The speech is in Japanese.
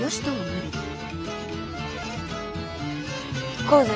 行こうぜ。